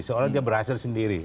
seolah dia berhasil sendiri